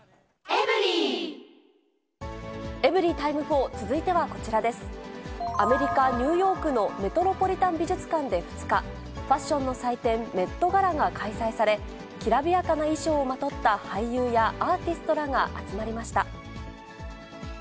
アメリカ・ニューヨークのメトロポリタン美術館で２日、ファッションの祭典、メットガラが開催され、きらびやかな衣装をまとった俳優やアーティストらが集まりました。